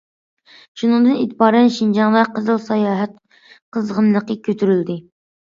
شۇنىڭدىن ئېتىبارەن، شىنجاڭدا قىزىل ساياھەت قىزغىنلىقى كۆتۈرۈلدى.